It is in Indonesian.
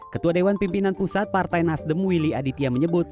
ketua dewan pimpinan pusat partai nasdem willy aditya menyebut